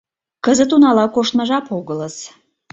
— Кызыт унала коштмо жап огылыс...